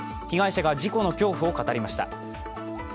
被害者が事故の恐怖を語りました。